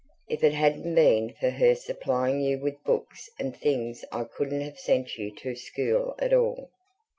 IF IT HADN'T BEEN FOR HER SUPPLYING YOU WITH BOOKS AND THINGS I COULDN'T HAVE SENT YOU TO SCHOOL AT ALL.